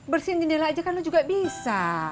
bersihin jendela aja kan lo juga bisa